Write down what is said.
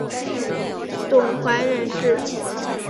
董槐人士。